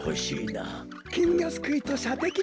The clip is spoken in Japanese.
きんぎょすくいとしゃてきだな。